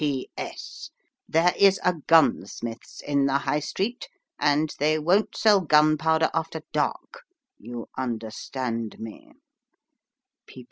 " PS. There is a gunsmith's in the High Street ; and they won't sell gunpowder after dark you understand me.